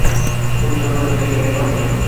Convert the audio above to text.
কুন্দ সগর্বে ছেলেকে নিরীক্ষণ করে।